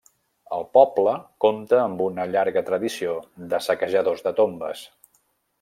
El poble compta amb una llarga tradició de saquejadors de tombes.